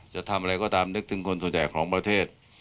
จะทำอะไรก็ตามนึกถึงคนส่วนใหญ่ของประเทศ